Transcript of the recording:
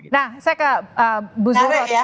nah saya ke bu zuro